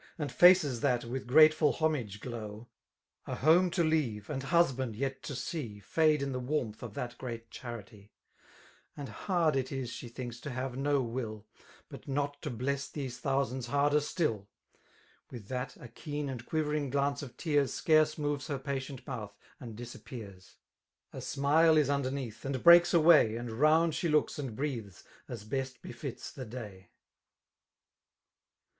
And faces that with grateful homage glow, A home to le^ve^ and husband yet to 8ee> Fade in the warmth of that great charity^ \ 10 And hard it is^ ^le Ibinks, to have no will; But not to bless lliese thousands^ harder still: With that^ a keen and quivering glance of tears Scarce inoves her patient mouth, and disappears^ A smile is underneath, and breaks away, And round she looks and breathes, as best befits the day.